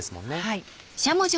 はい。